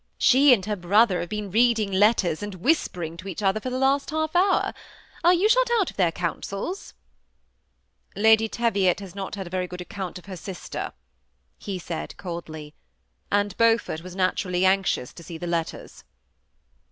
She and her brother have been reading letters, and whisper ing to each other for the last half hour. Are you shut out of their councils ?'*" Lady Teviot has not had a very good account of her sister," he said, coldly, " and Beaufort was natu rally anxious to see the letters."